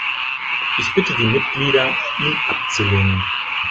Ich bitte die Mitglieder, ihn abzulehnen.